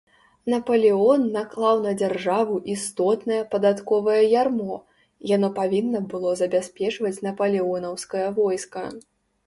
Напалеон наклаў на дзяржаву істотнае падатковае ярмо, яно павінна было забяспечваць напалеонаўскае войска.